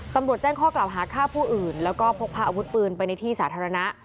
ตำรวจแจ้งข้อกล่าวหาฆ่าผู้อื่นแล้วก็พกพาอาวุธปืนไปในที่สาธารณะ